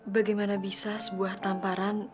bagaimana bisa sebuah tamparan